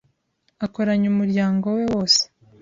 akoranya umuryango we wose